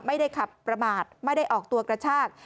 ไม่ได้ขับประมาทไม่ได้ออกตัวกระชาก